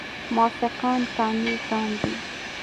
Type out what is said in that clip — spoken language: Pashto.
موافقان قانع کاندي.